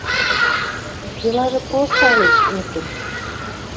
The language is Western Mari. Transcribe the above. Делажы проста ылеш, эргӹм: